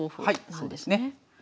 はいそうですね。